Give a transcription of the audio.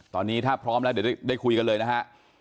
ตอนนี้ถ้าพร้อมแล้วเดี๋ยวได้คุยกันเลยนะฮะ